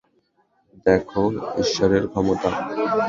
দেখো, ঈশ্বরের ক্ষমতা।